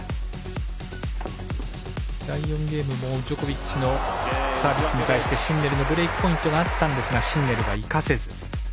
第４ゲームもジョコビッチのサービスに対してシンネルのブレークポイントがあったんですがシンネルは生かせず。